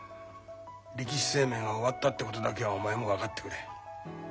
力士生命が終わったってことだけはお前も分かってくれ。